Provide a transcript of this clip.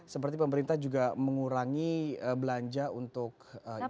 seperti pemerintah juga mengurangi belanja untuk infrastruktur